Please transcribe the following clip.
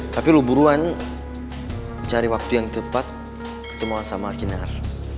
tapi lu buruan cari waktu yang tepat ketemuan sama kinar